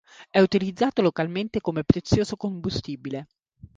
È utilizzato localmente come prezioso combustibile.